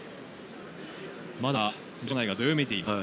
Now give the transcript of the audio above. まだ場内がどよめています。